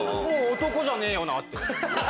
もう男じゃねえよなって。